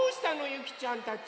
ゆきちゃんたち。